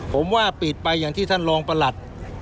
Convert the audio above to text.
ผมว่าปิดไปอย่างที่ท่านรองประหลัด